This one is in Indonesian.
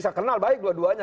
saya kenal baik dua duanya